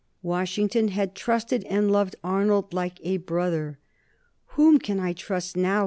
Washington had trusted and loved Arnold like a brother. "Whom can I trust now?"